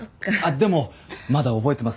でもまだ覚えてます。